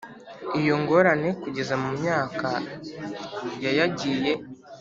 Iyo ngorane kugeza mu myaka ya yagiye